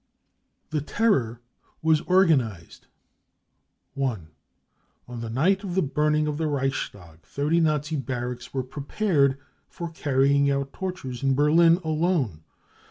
The Terror was Organised. 1. On the night of the burning of the Reichstag 30 Nazi barracks were prepared for carrying out tortures in Berlin alone.